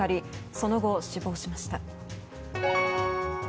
その後死亡しました。